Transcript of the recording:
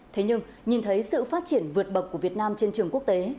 thế nhưng nhìn thấy sự phát triển vượt bậc của việt nam trên trường quốc tế